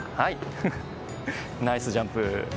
ナイスジャンプ！